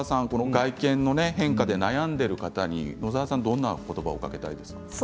外見の変化で悩んでいる方にどんな言葉をかけたいですか？